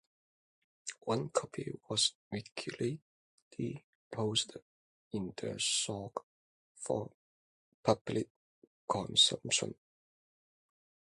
One copy was regularly posted in the souq for public consumption.